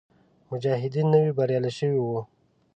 مجاهدین نوي بریالي شوي وو.